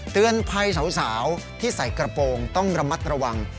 เตือนภัยสาวที่ใส่กระโปรงต้องระมัดระวัง